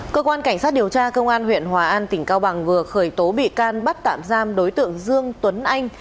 cơ quan cảnh sát điều tra công an huyện hòa an tỉnh cao bằng vừa khởi tố bị can bắt tạm giam đối tượng dương tuấn anh